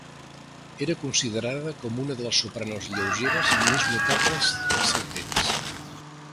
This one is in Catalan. Era considerada com una de les sopranos lleugeres més notables del seu temps.